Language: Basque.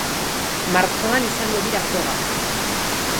Martxoan izango dira frogak.